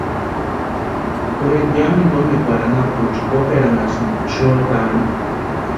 Orheta yamintu omekweri anapuecha kuperanhasïanti xotʼani.